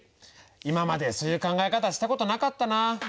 今までそういう考え方したことなかったな。